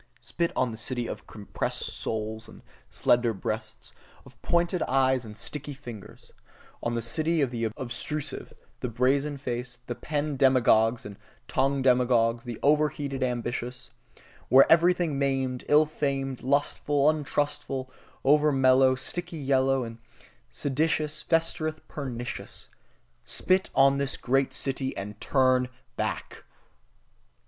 Spit on the city of compressed souls and slender breasts, of pointed eyes and sticky fingers On the city of the obtrusive, the brazen faced, the pen demagogues and tongue demagogues, the overheated ambitious: Where everything maimed, ill famed, lustful, untrustful, over mellow, sickly yellow and seditious, festereth pernicious: Spit on the great city and turn back!